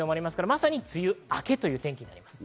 まさに梅雨明けという天気になります。